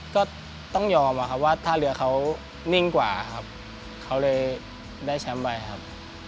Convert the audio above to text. ก็ต้องยอมว่าถ้าเรือของเขานิ่งกว่าครับเขาเลยได้ช้ำไปครับ